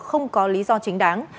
không có lý do chính đáng